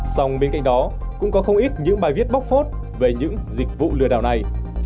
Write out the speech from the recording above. xong bên cạnh đó cũng có không ít những bài viết bốc phốt về những dịch vụ lừa đảo này